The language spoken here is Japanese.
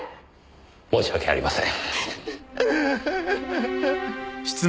申し訳ありません。